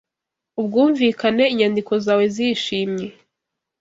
Ubwumvikane inyandiko zawe zishimye